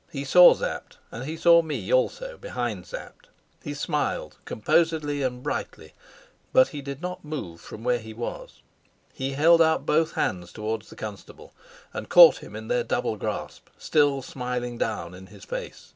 He saw Sapt, and he saw me also behind Sapt. He smiled composedly and brightly, but he did not move from where he was. He held out both hands towards the constable and caught him in their double grasp, still smiling down in his face.